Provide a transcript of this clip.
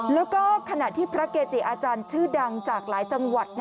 แล้วก็ขณะที่พระเกจิอาจารย์ชื่อดังจากหลายจังหวัด